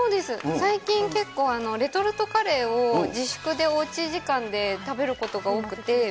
最近、結構、レトルトカレーを自粛でおうち時間で食べることが多くて。